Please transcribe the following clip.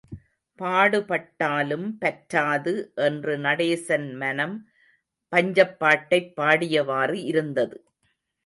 பாடுபட்டாலும் பற்றாது என்று நடேசன் மனம், பஞ்சப்பாட்டைப் பாடியவாறு இருந்தது.